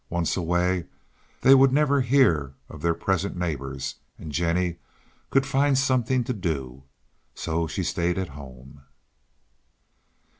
Once away they would never hear of their present neighbors and Jennie could find something to do. So she stayed at home.